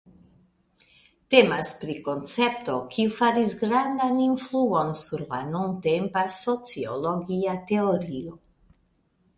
Temas pri koncepto kiu faris grandan influon sur la nuntempa sociologia teorio.